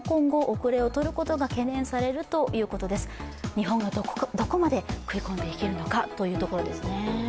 日本がどこまで食い込んでいけるのかというところですね。